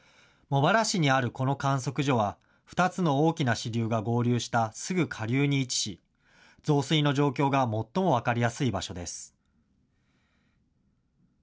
茂原市にあるこの観測所は２つの大きな支流が合流したすぐ下流に位置し、増水の状況が最も分かりやすい場所です。